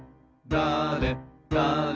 だれだれ